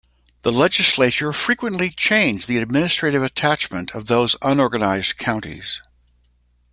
The legislature frequently changed the administrative attachment of these unorganized counties.